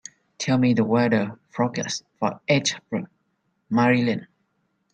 Tell me the weather forecast for Ethridge, Maryland